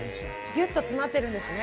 ぎゅっと詰まってるんですね。